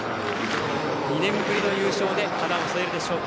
２年ぶりの優勝で花を添えるでしょうか。